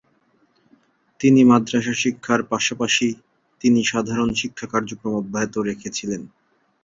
তিনি মাদ্রাসা শিক্ষার পাশাপাশি তিনি সাধারণ শিক্ষা কার্যক্রম অব্যাহত রেখেছিলেন।